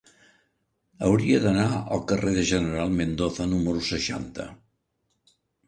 Hauria d'anar al carrer del General Mendoza número seixanta.